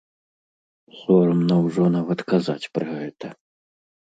Сорамна ўжо нават казаць пра гэта.